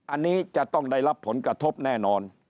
อันนี้จะต้องได้รับผลกระทบแน่นอน